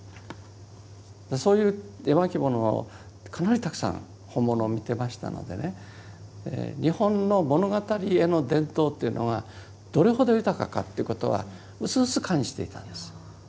そういう絵巻物をかなりたくさん本物を見てましたのでね日本の物語絵の伝統というのがどれほど豊かかということはうすうす感じていたんです。